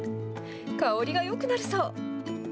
香りがよくなりそう。